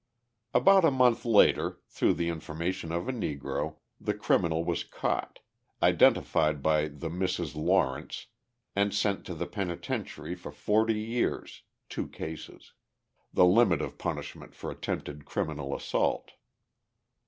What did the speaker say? About a month later, through the information of a Negro, the criminal was caught, identified by the Misses Lawrence, and sent to the penitentiary for forty years (two cases), the limit of punishment for attempted criminal assault.